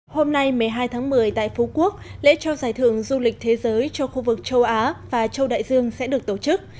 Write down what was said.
hôm nay một mươi hai tháng một mươi tại phú quốc lễ trao giải thưởng du lịch thế giới cho khu vực châu á và châu đại dương sẽ được tổ chức